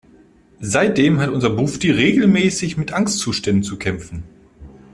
Seitdem hat unser Bufdi regelmäßig mit Angstzuständen zu kämpfen.